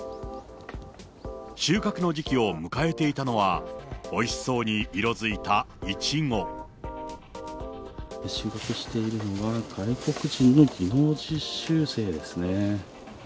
収穫の時期を迎えていたのは、収穫しているのは、外国人の技能実習生ですね。